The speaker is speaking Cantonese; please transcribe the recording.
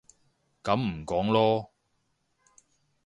噉唔講囉